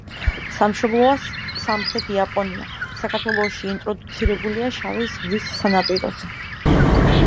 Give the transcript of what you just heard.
სამშობლოა სამხრეთი იაპონია, საქართველოში ინტროდუცირებულია შავი ზღვის სანაპიროზე.